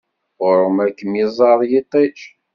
Ɣur-m ad kem-iẓer yiṭij.